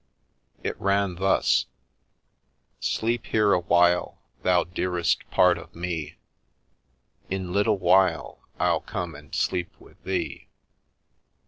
It ran thus: — "Sleep here awhile, Thou dearest Part of Me * In little while , I'll come and sleep with Thee."